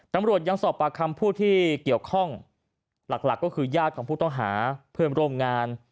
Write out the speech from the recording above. ตำรวจยังสอบปากคำผู้ที่เกี่ยวข้องหลักก็คือญาติของผู้ต้องหาเพื่อนร่วมงาน